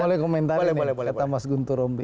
boleh komentari nih kata mas gunter romli